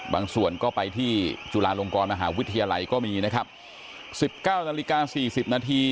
บางส่วนก็ไปที่จุฬาลงครมหาวิทยาลัยก็มีนะครับ๑๙นาฬิกา๔๐นาที